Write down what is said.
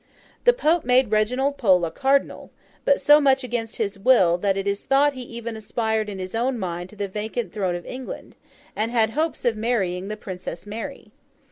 The Pope made Reginald Pole a cardinal; but, so much against his will, that it is thought he even aspired in his own mind to the vacant throne of England, and had hopes of marrying the Princess Mary.